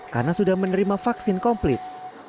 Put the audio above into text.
karena sudah menerima vaksin komplit